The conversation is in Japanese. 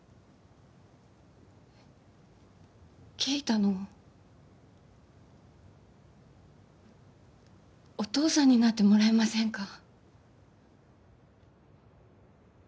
圭太のお父さんになってもらえませんか？